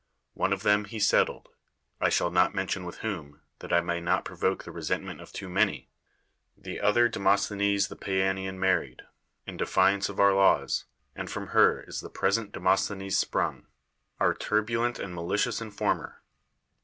One of them he set tled — I shall not mention with whom, that I may not provoke the resentment of too many ; the other Demosthenes tlu^ Pa'anian married, in defiance of our laws, and from her is the present Demosthenes sprung — our turbulent and ma licious informer.